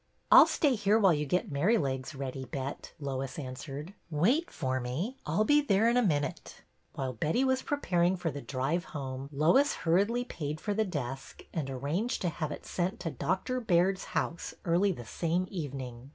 I 'll stay here while you get Merrylegs ready. Bet," Lois answered. ''Wait for me. I'll be there in a minute." While Betty was preparing for the drive home, Lois hurriedly paid for the desk and arranged to have it sent to Doctor Baird's house early the same evening.